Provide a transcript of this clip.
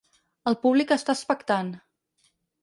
El públic està expectant.